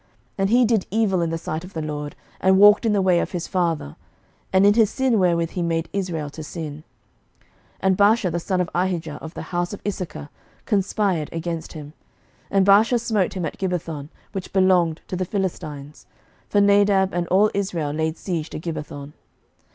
11:015:026 And he did evil in the sight of the LORD, and walked in the way of his father, and in his sin wherewith he made Israel to sin. 11:015:027 And Baasha the son of Ahijah, of the house of Issachar, conspired against him; and Baasha smote him at Gibbethon, which belonged to the Philistines; for Nadab and all Israel laid siege to Gibbethon.